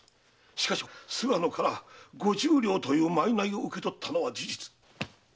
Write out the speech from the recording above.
しかし菅野から五十両という賄を受け取ったのは事実。